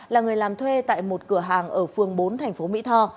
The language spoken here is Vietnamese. là người làm thuê tại một cửa hàng ở phường bốn tp mỹ tho